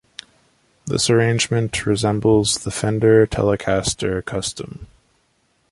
This arrangement resembles the Fender Telecaster Custom.